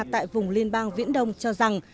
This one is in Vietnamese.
tại vùng liên bang viễn đông cho rằng